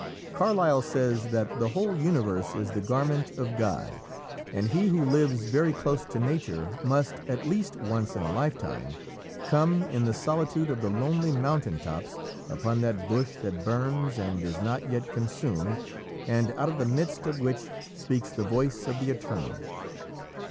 Carlyle says that "The whole universe is the Garment of God," and he who lives very close to Nature must, at least once in a lifetime, come, in the solitude of the lonely mountain tops, upon that bush that burns and is not yet consumed, and out of the midst of which speaks the voice of the Eternal.